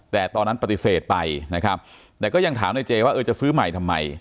แต่ตอนนั้นปฏิเสธไปนะครับแต่ก็ยังถามในเจว่าเออจะซื้อใหม่ทำไม